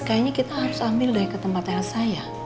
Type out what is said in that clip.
kayaknya kita harus ambil dari ke tempat elsa ya